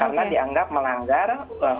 karena dianggap melanggar undang undang